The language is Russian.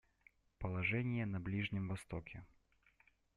Положение на Ближнем Востоке.